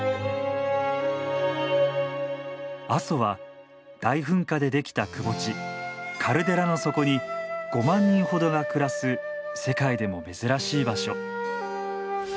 阿蘇は大噴火で出来たくぼ地カルデラの底に５万人ほどが暮らす世界でも珍しい場所。